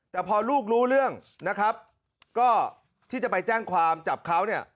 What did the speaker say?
แต่พอลูกรู้เรื่องนะครับก็ที่จะไปแจ้งความจับเขาเนี่ย